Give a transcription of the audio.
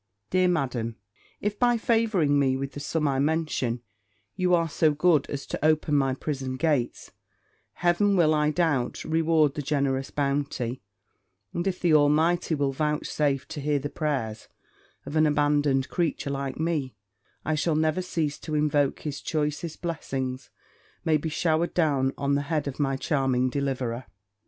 Dear Madam, if, by favouring me with the sum I mention, you are so good as to open my prison gate, Heaven will, I doubt not, reward the generous bounty: and, if the Almighty will vouchsafe to hear the prayers of an abandoned creature like me, I shall never cease to invoke his choicest blessings may be showered down on the head of my charming deliverer.